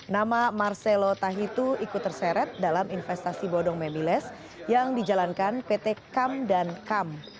nama marcelo tahitu ikut terseret dalam investasi bodong memiles yang dijalankan pt kam dan kam